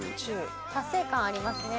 達成感ありますね。